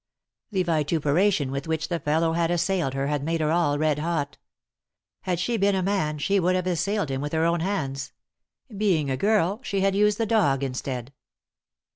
The vituperation with which the fellow had assailed her had made her all red hot. Had she been a man she would have assailed him with her own hands ; being a girl she had used the dog instead.